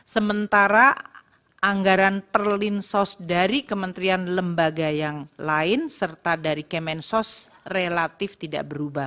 sementara anggaran perlinsos dari kementerian lembaga yang lain serta dari kemensos relatif tidak berubah